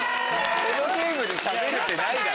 このゲームでしゃべるってないだろ！